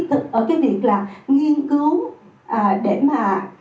thực ở cái việc là nghiên cứu để mà tìm ra những cái gì đó để trị bệnh ung thư cho trẻ em